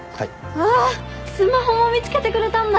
うわっスマホも見つけてくれたんだ。